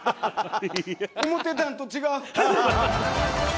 思ってたんと違う。